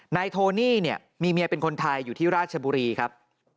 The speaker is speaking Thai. นายโทนี่เนี่ยมีเมียเป็นคนไทยอยู่ที่ราชบุรีครับ